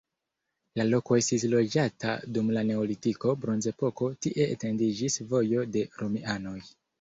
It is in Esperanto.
La loko estis loĝata dum la neolitiko, bronzepoko, tie etendiĝis vojo de romianoj.